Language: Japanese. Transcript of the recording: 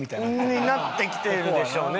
になってきてるでしょうね。